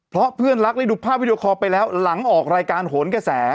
เพราะเพื่อนรักได้ดูภาพวิดีโอคอลไปแล้วหลังออกรายการโหนกระแส